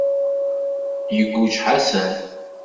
Iguǧǧ Ḥasan.